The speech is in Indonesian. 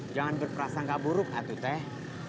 jangan berperasaan nggak buruk atuteh